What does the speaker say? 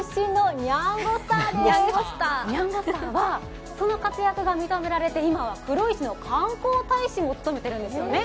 にゃんごすたーはその活躍が認められて今は黒石市の観光大使も務めているんですよね。